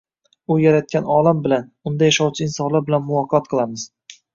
u yaratgan olam bilan, unda yashovchi insonlar bilan muloqot qilamiz